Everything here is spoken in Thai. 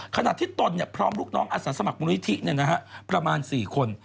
ขณะที่ตนพร้อมลูกน้องอาสาสมัครมูลนิธิประมาณ๔คน